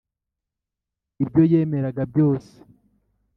ibyo yemeraga byose,